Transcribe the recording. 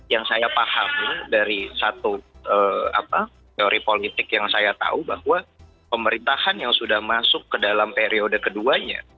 yang saya pahami dari satu teori politik yang saya tahu bahwa pemerintahan yang sudah masuk ke dalam periode keduanya